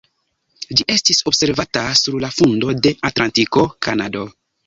Ĝi estis observata sur la fundo de Atlantiko (Kanado).